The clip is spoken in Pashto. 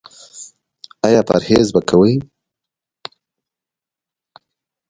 ایا پرهیز به کوئ؟